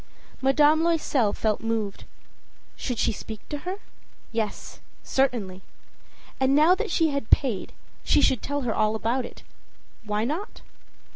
Madame Loisel felt moved. Should she speak to her? Yes, certainly. And now that she had paid, she would tell her all about it. Why not?